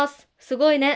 すごいね。